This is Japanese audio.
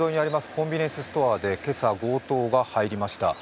コンビニエンスストアに今朝、強盗が入りました。